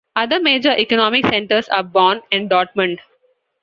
Other major economic centers are Bonn and Dortmund.